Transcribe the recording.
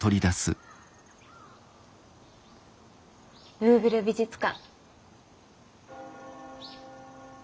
「ルーヴル美術館」。